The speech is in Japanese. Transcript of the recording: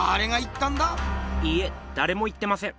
いいえだれも言ってません。